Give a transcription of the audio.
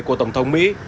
của tổng thống mỹ